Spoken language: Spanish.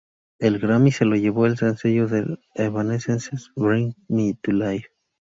El Grammy se lo llevó el sencillo de Evanescence, "Bring Me to Life".